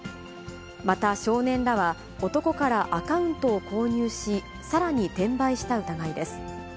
また少年らは、男からアカウントを購入し、さらに転売した疑いです。